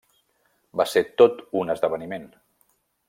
Va ser tot un esdeveniment.